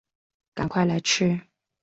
赶快来吃